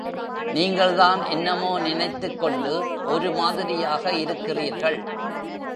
நீங்கள் தான் என்னமோ நினைத்துக் கொண்டு ஒரு மாதிரியாக இருக்கிறீர்கள்.